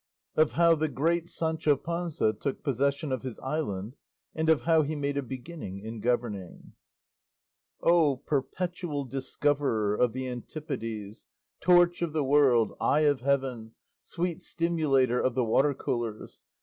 OF HOW THE GREAT SANCHO PANZA TOOK POSSESSION OF HIS ISLAND, AND OF HOW HE MADE A BEGINNING IN GOVERNING O perpetual discoverer of the antipodes, torch of the world, eye of heaven, sweet stimulator of the water coolers!